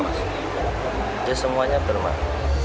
itu semuanya bermakna